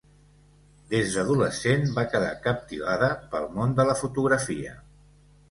Des d'adolescent va quedar captivada pel món de la fotografia.